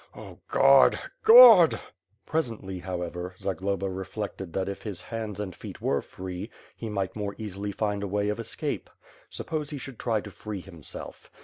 0 God! God!" Presently, however, Zagloba reflected that if his hands and feet were free, he might more easily find a way of escape " Suppose he should try to free himself.